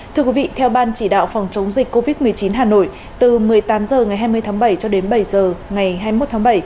thưa quý vị theo ban chỉ đạo phòng chống dịch covid một mươi chín hà nội từ một mươi tám h ngày hai mươi tháng bảy cho đến bảy h ngày hai mươi một tháng bảy